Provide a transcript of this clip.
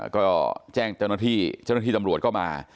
ก็แจ้งเจ้าหน้าที่เจ้าหน้าที่ตำรวจก็มา